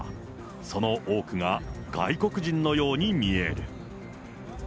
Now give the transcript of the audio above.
その多くが外国人のように見える。